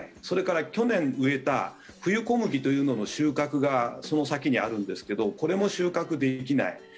それから去年、植えた冬小麦というものの収穫がその先にあるんですけどこれも収穫できない。